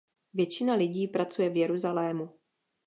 Většina lidí pracuje v Jeruzalému.